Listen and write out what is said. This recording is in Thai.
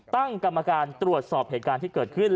ตั้งกรรมการตรวจสอบเหตุการณ์ที่เกิดขึ้น